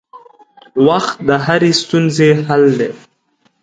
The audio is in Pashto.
وخت د هرې ستونزې حل دی.